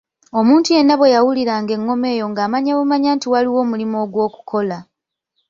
Omuntu yenna bwe yawuliranga engoma eyo ng'amanya bumanya nti waliwo omulimu ogw'okukola.